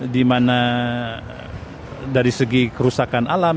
dimana dari segi kerusakan alam